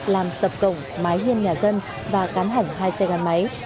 làm sập cổng mái hiên nhà dân và cắm hỏng hai xe gắn máy